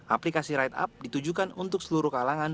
aplikasi rideup ditujukan untuk seluruh kalangan